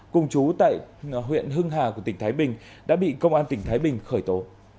cùng chú tại huyện hưng hà của tỉnh thái bình đã bị công an tỉnh thái bình khởi tố